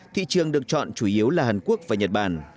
thị trường được chọn chủ yếu là hàn quốc và nhật bản